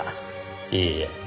いいえ。